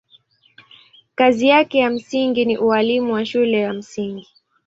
Kazi yake ya msingi ni ualimu wa shule ya msingi.